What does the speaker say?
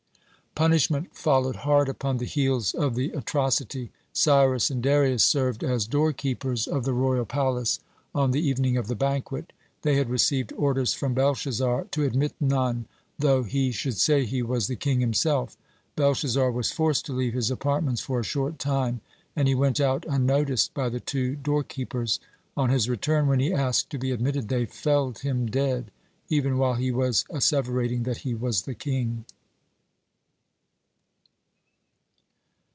Punishment followed hard upon the heels of the atrocity. Cyrus and Darius served as door keepers of the royal palace on the evening of the banquet. They had received orders from Belshazzar to admit none, though he should say he was the king himself. Belshazzar was forced to leave his apartments for a short time, and he went out unnoticed by the two door keepers. On his return, when he asked to be admitted, they felled him dead, even while he was asseverating that he was the king.